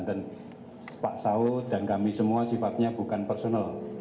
dan pak sahu dan kami semua sifatnya bukan personal